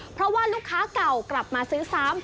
เพราะว่าลูกค้าเก่ากลับมาซื้อซ้ำ